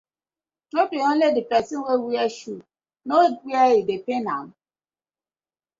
No be only di person wey wear shoe know where e dey pain am.